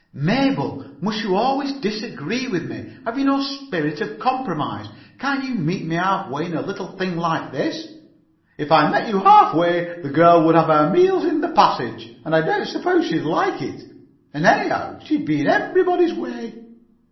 "Mabel, must you always disagree with me? Have you no spirit of compromise? Can't you meet me half way in a little thing like this?" "If I met you half way the girl would have her meals in the passage. And I don't suppose she'd like it, and anyhow she'd be in everybody's way."